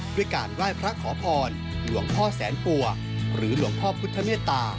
ด้วยการไหว้พระขอพรหลวงพ่อแสนปัวหรือหลวงพ่อพุทธเมตตา